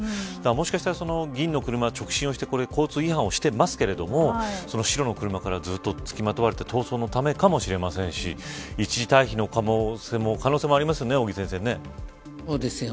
もしかしたら銀の車はシルバーの車、交通違反をしていますけど白の車から付きまとわれて逃走のためかもしれませんし一時退避の可能性もありますよね。